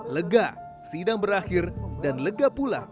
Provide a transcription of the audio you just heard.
lega sidang berakhir dan lega pula